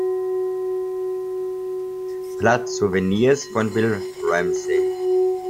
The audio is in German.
Platz: "Souvenirs" von Bill Ramsey.